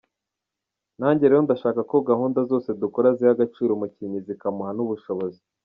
Nanjye rero ndashaka ko gahunda zose dukora ziha agaciro umukinnyi zikamuha n’ubushobozi.